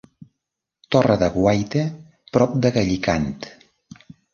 Torre de guaita prop de Gallicant.